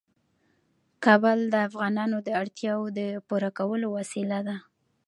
کابل د افغانانو د اړتیاوو د پوره کولو وسیله ده.